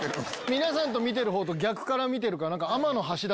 皆さん見てる方と逆から見てるから。